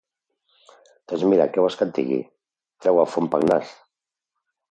Doncs mira, què vols que et digui? –treu el fum pel nas–.